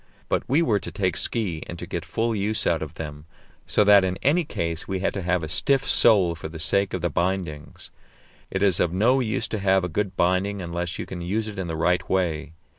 But we were to take ski and to get full use out of them, so that in any case we had to have a stiff sole for the sake of the bindings. It is of no use to have a good binding unless you can use it in the right way.